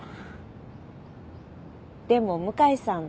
でも向井さん